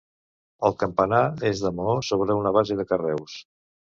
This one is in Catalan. El campanar és de maó, sobre una base de carreus.